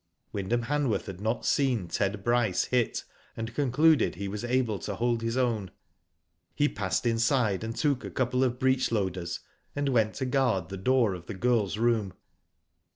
Wyndham Hanworth had not seen Ted Bryce hit. and concluded he was able to hold his own. He passed inside and .took a couple of breech loaders, and went to guard the door of the gfirl's room.